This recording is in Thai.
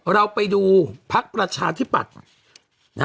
เราไปดูพระประชาธิบัติ